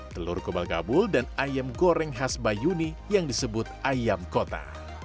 telur kebal gabul dan ayam goreng khas bayuni yang disebut ayam kota